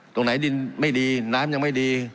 ตรงไหนดินไม่ดีน้ำยังไม่ดี